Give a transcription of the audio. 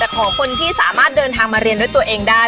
ขอคนที่สามารถเดินทางมาเรียนด้วยตัวเองได้